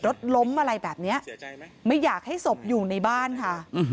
รถล้มอะไรแบบนี้ไม่อยากให้ศพอยู่ในบ้านค่ะ